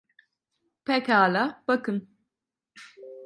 Pekâlâ, bakın.